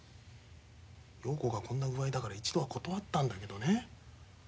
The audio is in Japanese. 陽子がこんな具合だから一度は断ったんだけどね